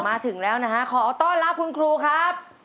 มาถึงแล้วนะฮะขอต้อนรับคุณครูครับ